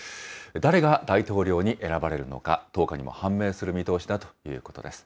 誰が大統領に選ばれるのか、１０日にも判明する見通しだということです。